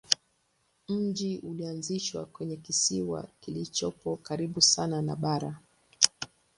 Mji ulianzishwa kwenye kisiwa kilichopo karibu sana na bara.